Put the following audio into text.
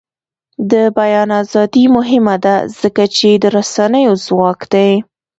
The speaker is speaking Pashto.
د بیان ازادي مهمه ده ځکه چې د رسنیو ځواک دی.